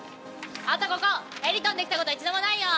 あとここヘリ飛んできたこと一度もないよ。